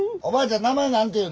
おばあちゃん